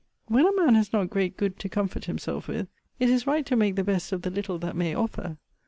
When a man has not great good to comfort himself with, it is right to make the best of the little that may offer.